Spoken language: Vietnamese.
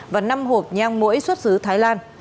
và năm hộp nhang mũi xuất xứ thái lan